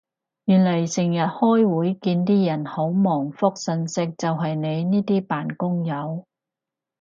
原來成日開會見啲人好忙覆訊息就係你呢啲扮工友